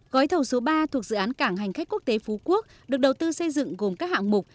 gói thầu số ba thuộc dự án cảng hành khách quốc tế phú quốc được đầu tư xây dựng gồm các hạng mục